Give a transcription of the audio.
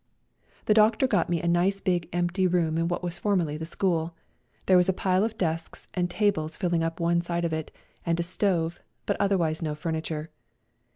The doctor got me a nice big empty room in what was formerly the school. There was a pile of desks and tables filling up one side of it, and a stove, but otherwise no furniture.